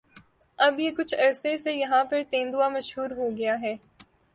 اب یہ کچھ عرصے سے یہاں پہ تیندوا مشہور ہوگیاہے